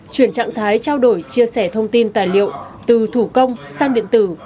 chuyển trạng thái trao đổi chia sẻ thông tin tài liệu từ thủ công sang điện tử